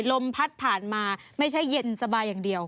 ลมพัดผ่านมาไม่ใช่เย็นสบายอย่างเดียว